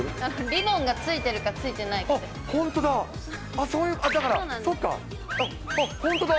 リボンがついてるか、ついてあっ、本当だ。